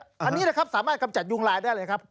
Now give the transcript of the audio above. อันนี้นะครับสามารถกำจัดยุงลายได้เลยครับ